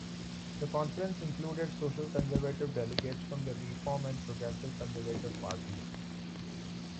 The conference included social conservative delegates from the Reform and Progressive Conservative Parties.